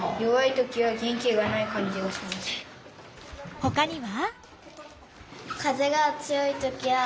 ほかには？